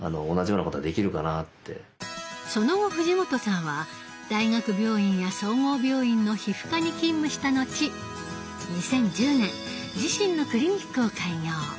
その後藤本さんは大学病院や総合病院の皮膚科に勤務したのち２０１０年自身のクリニックを開業。